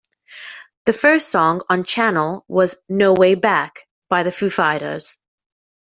The first song on "Channel" was "No Way Back" by The Foo Fighters.